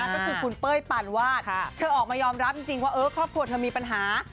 ก็คือคุณเป้ยปานวาดเธอออกมายอมรับจริงว่าครอบครัวเธอมีปัญหา